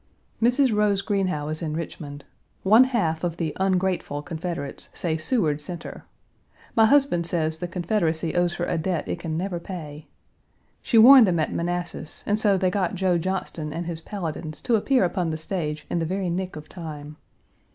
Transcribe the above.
Mrs. Rose Greenhow is in Richmond. One half of the ungrateful Confederates say Seward sent her. My husband says the Confederacy owes her a debt it can never pay. She warned them at Manassas, and so they got Joe Johnston and his Paladins to appear upon the stage in the very nick of time.